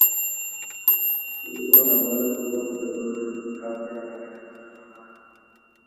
Walikuja mkunazini katika soko kuu la watumwa Afrika mashiriki kwaajili ya kununua watumwa